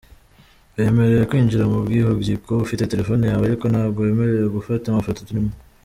Wemerewe kwinjira mu bwihugiko ufite telefoni yawe ariko ntabwo wemerewe gufata amafoto urimo.